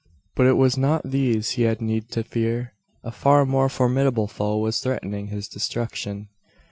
But it was not these he had need to fear. A far more formidable foe was threatening his destruction.